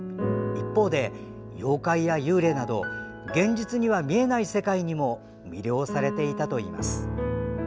一方で、妖怪や幽霊など現実には見えない世界にも魅了されていたといいます。